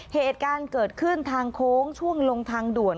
เหตุการณ์เกิดขึ้นทางโค้งช่วงลงทางด่วน